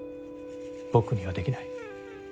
僕にはできない。